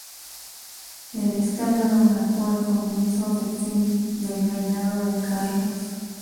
El escándalo marcó el comienzo del fin del reinado de Carlos.